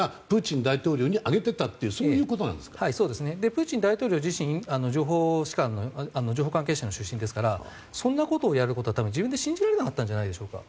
プーチン大統領自身情報関係者の出身ですからそんなことをやることは自分で信じられなかったんじゃないでしょうか。